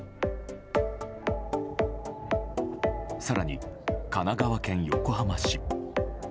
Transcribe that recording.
更に、神奈川県横浜市。